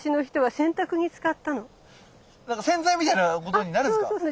洗剤みたいなことになるんですか？